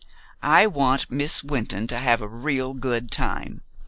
"I want Miss Wynton to have a real good time.